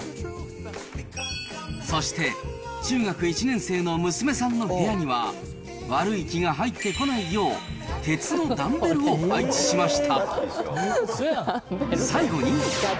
そして、中学１年生の娘さんの部屋には、悪い気が入ってこないよう、鉄のダンベルを配置しました。